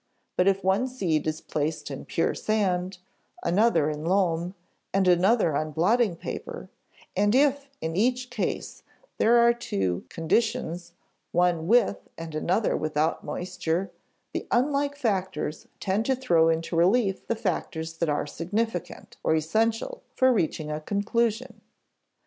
But if one seed is placed in pure sand, another in loam, and another on blotting paper, and if in each case there are two conditions, one with and another without moisture, the unlike factors tend to throw into relief the factors that are significant (or "essential") for reaching a conclusion.